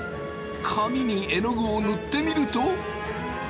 紙にえのぐを塗ってみると。